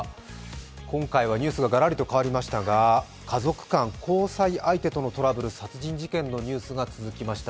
今回はニュースがガラリと変わりましたが、家族間、交際相手とのトラブル、殺人事件のニュースが続きました。